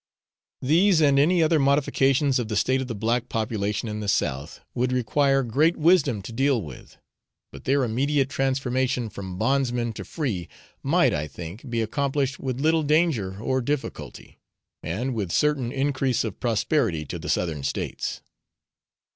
These, and any other modifications of the state of the black population in the South, would require great wisdom to deal with, but their immediate transformation from bondsmen to free might, I think, be accomplished with little danger or difficulty, and with certain increase of prosperity to the Southern States.